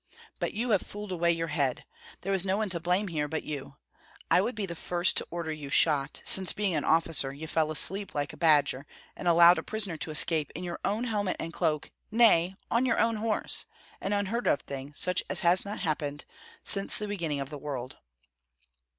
But you have fooled away your head. There is no one to blame here but you. I would be the first to order you shot, since being an officer you fell asleep like a badger, and allowed a prisoner to escape in your own helmet and cloak, nay, on your own horse, an unheard of thing, such as has not happened since the beginning of the world."